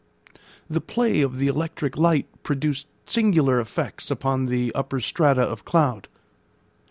The play of the electric light produced singular effects upon the upper strata of cloud.